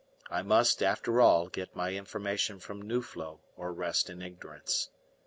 I must, after all, get my information from Nuflo, or rest in ignorance.